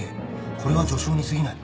これは序章に過ぎない」